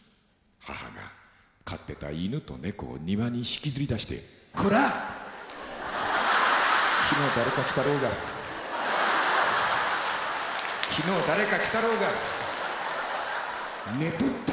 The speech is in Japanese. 母が飼ってた犬と猫を庭に引きずりだして「コラ！」。「昨日誰か来たろうが」。「昨日誰か来たろうが。寝とったとか」。